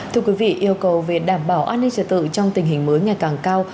thưa quý vị yêu cầu về đảm bảo an ninh trật tự trong tình hình mới ngày càng cao